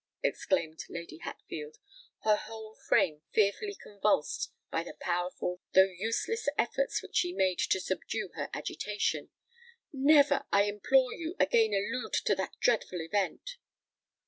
exclaimed Lady Hatfield, her whole frame fearfully convulsed by the powerful though useless efforts which she made to subdue her agitation: "never, I implore you, again allude to that dreadful event!"